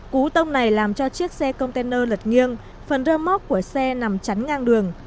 cú tông này làm cho chiếc xe container lật nghiêng phần rơ móc của xe nằm chắn ngang đường